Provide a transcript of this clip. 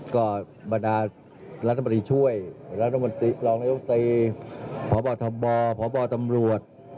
ก็บรรดารัฐบาลีช่วยรัฐบาลียกษัตริย์พบพบตำรวจ